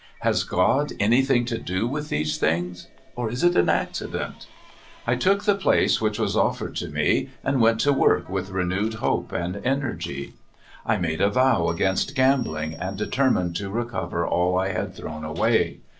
Has God anything to do with these things? or is it accident? I took the place which was offered to me, and went to work with renewed hope and energy. I made a vow against gam bling, and determined to recover all I had thrown away.